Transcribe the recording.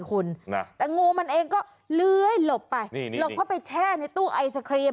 คุณนะแต่งูมันเองก็ลื่อยลบไปนี่นี่นี่นี่ลกไปแช่ในตู้ไอซาครีม